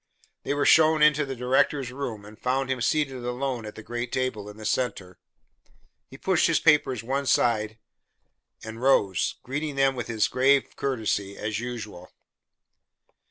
They were shown into the director's room, and found him seated alone at the great table in the center. He pushed his papers one side and rose, greeting them with his grave courtesy, as usual.